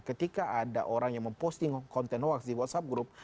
ketika ada orang yang memposting konten hoax di whatsapp group